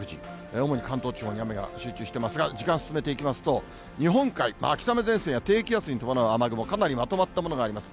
主に関東地方に雨が集中してますが、時間進めていきますと、日本海、秋雨前線や低気圧に伴う雨雲、かなりまとまったものがあります。